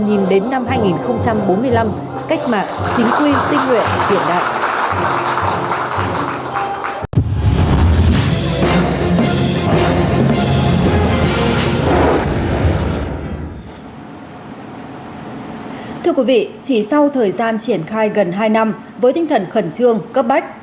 nhìn đến năm hai nghìn bốn mươi năm cách mạng chính quy tinh nguyện hiện đại